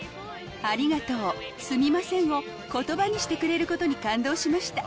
ありがとう、すみませんをことばにしてくれることに感動しました。